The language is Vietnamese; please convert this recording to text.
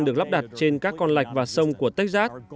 được lắp đặt trên các con lạch và sông của texas